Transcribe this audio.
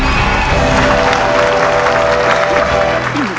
ไม่ใช้ครับ